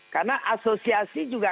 karena asosiasi juga